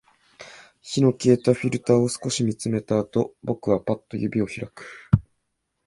火の消えたフィルターを少し見つめたあと、僕はパッと指を開く